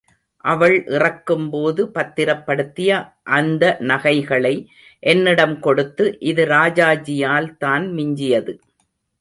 அவள் இறக்கும்போது, பத்திரப்படுத்திய அந்தநகைகளை என்னிடம்கொடுத்து, இது ராஜாஜியால் தான் மிஞ்சியது.